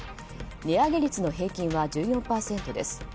値上げ率の平均は１４％です。